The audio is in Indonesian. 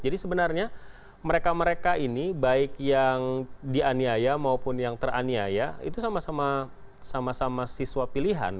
jadi sebenarnya mereka mereka ini baik yang dianiaya maupun yang teraniaya itu sama sama siswa pilihan